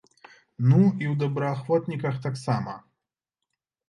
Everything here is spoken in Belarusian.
Ну, і ў добраахвотніках таксама.